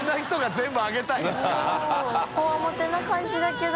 こわもてな感じだけど。